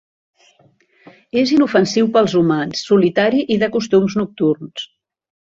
És inofensiu per als humans, solitari i de costums nocturns.